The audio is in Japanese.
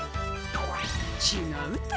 ちがうて！